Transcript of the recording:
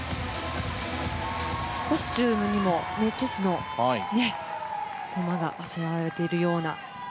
コスチュームにもチェスの駒があしらわれているような。